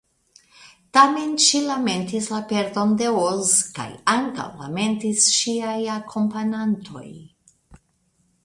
Tamen ŝi lamentis la perdon de Oz, kaj ankaŭ lamentis ŝiaj akompanantoj.